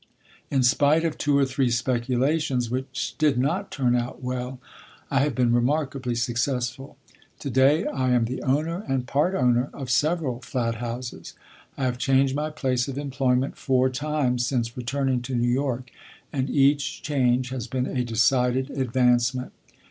In spite of two or three speculations which did not turn out well, I have been remarkably successful. Today I am the owner and part owner of several flat houses. I have changed my place of employment four times since returning to New York, and each change has been a decided advancement.